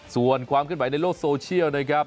ส่วนความขึ้นใหม่ในโลกโซเชียลนะครับ